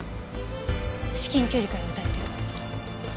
至近距離から撃たれてる。